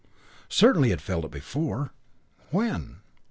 Certainly he had felt it before. When?